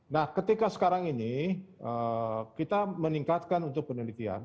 nah ketika sekarang ini kita meningkatkan untuk penelitian